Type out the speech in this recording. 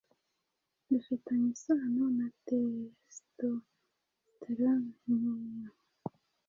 bifitanye isano na testosterone nkeya